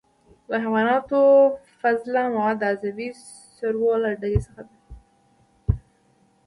د حیواناتو فضله مواد د عضوي سرو له ډلې څخه دي.